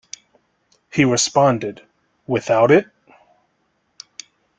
He responded: Without it?